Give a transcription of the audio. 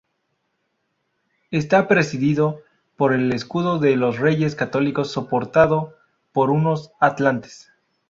Está presidido por el escudo de los Reyes Católicos soportado por unos atlantes.